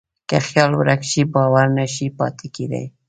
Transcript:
که خیال ورک شي، باور نهشي پاتې کېدی.